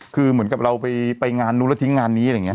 คือเหมือนกับเราไปงานนู้นแล้วทิ้งงานนี้อะไรอย่างนี้